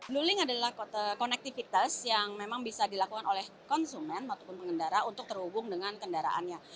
blue link adalah konektivitas yang bisa dilakukan oleh konsumen atau pengendara untuk terhubung dengan kendaraannya